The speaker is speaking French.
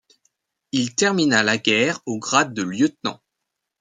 Il termina la guerre au grade de Lieutenant.